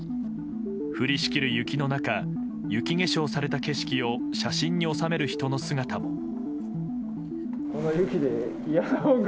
降りしきる雪の中雪化粧された景色を写真に収める人の姿も。